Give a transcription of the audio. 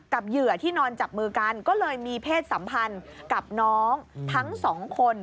เหยื่อที่นอนจับมือกันก็เลยมีเพศสัมพันธ์กับน้องทั้งสองคน